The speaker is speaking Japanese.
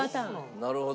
なるほど。